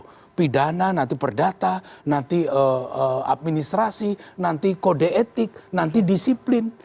nanti pidana nanti perdata nanti administrasi nanti kode etik nanti disiplin